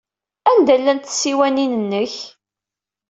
Anda llant tsiwanin-nnek?